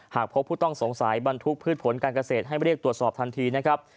หากพบผู้ต้องสงสัยบรรทุกพืชผลการเกษตรให้มาเรียกตรวจสอบทันทีนะครับ